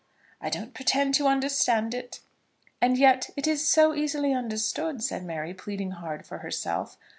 "I don't pretend to understand it." "And yet it is so easily understood!" said Mary, pleading hard for herself.